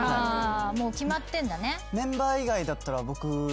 もう決まってんだね。